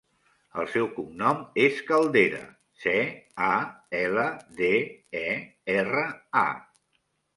El seu cognom és Caldera: ce, a, ela, de, e, erra, a.